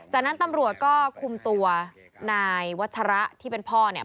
จากนั้นตำรวจก็คุมตัวนายวัชระที่เป็นพ่อเนี่ย